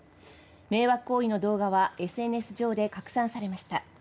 迷惑行為の動画はＳＮＳ上で拡散されました。